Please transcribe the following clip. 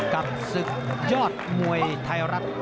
กับศึกยอดมวยไทยรัฐ